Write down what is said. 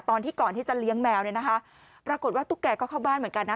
ตอนที่ก่อนที่จะเลี้ยงแมวเนี่ยนะคะปรากฏว่าตุ๊กแกก็เข้าบ้านเหมือนกันนะ